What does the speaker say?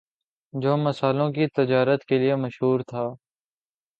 جو مسالوں کی تجارت کے لیے مشہور تھا